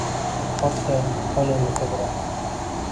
Boʻpti… Boʻl endi tezroq!